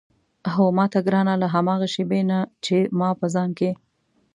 هو ماته ګرانه له هماغه شېبې نه چې ما په ځان کې.